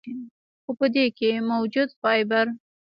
خو پۀ دې کښې موجود فائبر ،